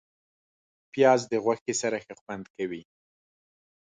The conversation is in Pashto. پیاز د غوښې سره ښه خوند کوي